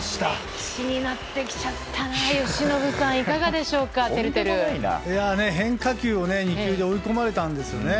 歴史になってきちゃったね由伸さん、どうでしょうか変化球を２球で追い込まれたんですよね。